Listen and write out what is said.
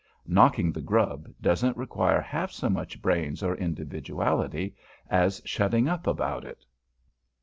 "Knocking the grub" doesn't require half so much brains or individuality as shutting up about it.